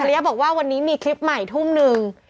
ระยะบอกว่าวันนี้มีคลิปใหม่ทุ่มหนึ่ง